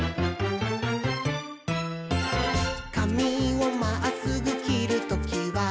「かみをまっすぐきるときは」